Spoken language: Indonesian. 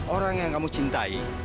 orang yang kamu cintai